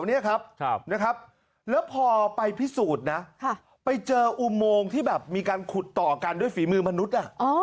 แล้วพอไปพิสูจน์ไปเจออุโมงที่มีการขุดต่อกันด้วยฝีมือมนุษย์